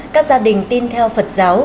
các gia đình tin theo phật giáo